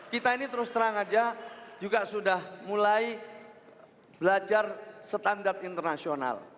kita ini terus terang saja juga sudah mulai belajar standar internasional